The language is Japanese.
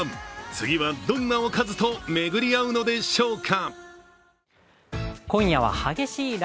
次はどんなおかずとめぐり合うのでしょうか？